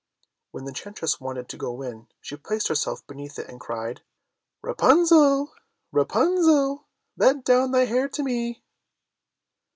When the enchantress wanted to go in, she placed herself beneath it and cried, "Rapunzel, Rapunzel, Let down thy hair to me."